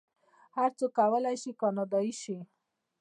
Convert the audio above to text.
هر څوک کولی شي کاناډایی شي.